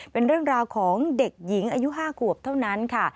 เป็นเรื่องราวของเด็กหญิงอายุ๕ขวบเท่านั้นค่ะ